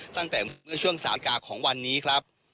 ตั้งแต่เมื่อช่วงสากาของวันนี้ครับ